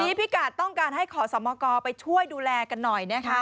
วันนี้พี่กาดต้องการให้ขอสมกไปช่วยดูแลกันหน่อยนะคะ